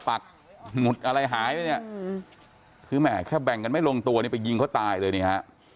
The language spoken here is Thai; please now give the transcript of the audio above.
ปักหมุดอะไรหายไปเนี่ยคือแหมแค่แบ่งกันไม่ลงตัวเนี่ยไปยิงเขาตายเลยนี่ฮะ